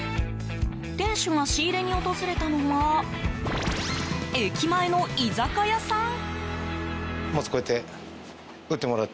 店主が仕入れに訪れたのは駅前の居酒屋さん？